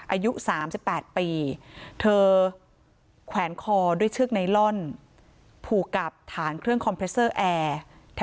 อายุ๓๘ปีเธอแขวนคอด้วยเชือกไนลอนผูกกับฐานเครื่องคอมเพรสเซอร์แอร์